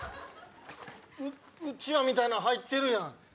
うちわみたいなの入ってるやん。